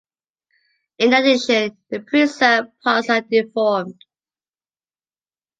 In addition, the preserved parts are deformed.